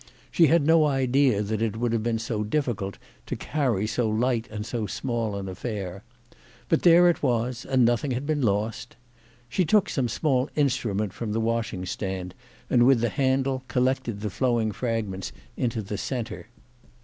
She had had no idea that it would have been so difficult to carry so light and so small an affair. But there it was, and nothing had been lost. She took some small instrument from the washing stand, and with the handle collected the flowing fragments into the centre.